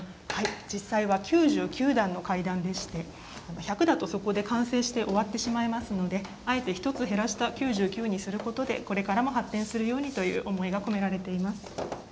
実際は９９段の階段でして１００だと、そこで完成して終わってしまいますのであえて１つ減らした９９にすることでこれからも発展するようにという思いが込められています。